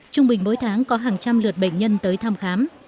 trung bình mỗi tháng có hàng trăm lượt bệnh nhân tới thăm khám